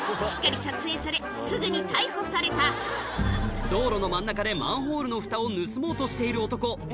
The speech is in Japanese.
しっかり撮影されすぐに逮捕された道路の真ん中でマンホールのフタを盗もうとしている男